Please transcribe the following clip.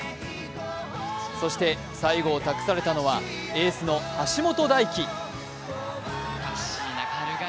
そして、最後を託されたのはエースの橋本大輝。